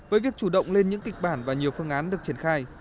với việc chủ động lên những kịch bản và nhiều phương án được triển khai